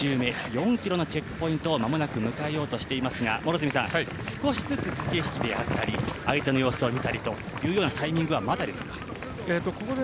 ４ｋｍのチェックポイントを間もなく迎えようとしていますが少しずつ駆け引きであったり相手の様子を見たりというようなタイミングは、まだでしょうか。